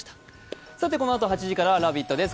このあと８時からは「ラヴィット！」です。